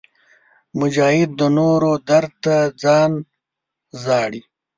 مجاهد د نورو درد ته ځان ژاړي.